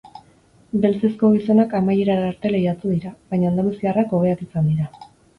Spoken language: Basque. Beltzezko gizonak amaierara arte lehiatu dira, baina andaluziarrak hobeak izan dira.